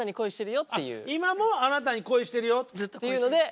「今もあなたに恋してるよ」っていうので。